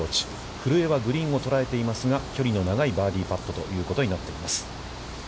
古江はグリーンを捉えていますが距離の長いバーディーパットということになっています。